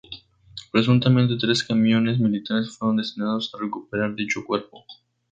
Presuntamente tres camiones militares fueron destinados a recuperar dicho cuerpo.